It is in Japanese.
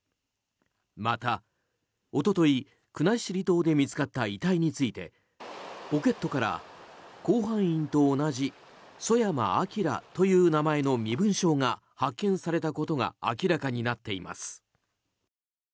また一昨日、国後島で見つかった遺体についてポケットから甲板員と同じ曽山聖という名前の身分証が発見されたことが明らかになっています。